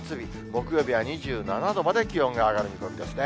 木曜日は２７度まで気温が上がる見込みですね。